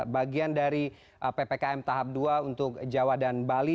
bagian dari ppkm tahap dua untuk jawa dan bali